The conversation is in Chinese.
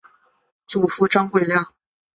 祖父张贵谅。